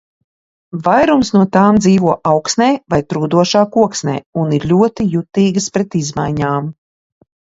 Vairums no tām dzīvo augsnē vai trūdošā koksnē un ir ļoti jutīgas pret izmaiņām.